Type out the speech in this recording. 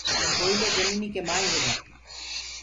ڪوئلو جميٚنيٚ ڪي مآئينٚ هيگآ